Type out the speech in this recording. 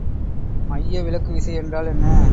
மைய விலக்கு விசை என்றால் என்ன?